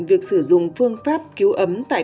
việc sử dụng phương pháp cứu ấm tại